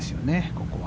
ここは。